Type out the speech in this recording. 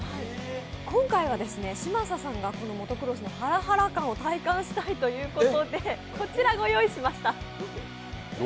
今回は嶋佐さんがモトクロスのハラハラ感を体感したいということでこちら御用意しました。